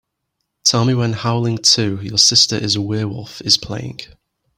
Tell me when Howling II: Your Sister Is a Werewolf is playing.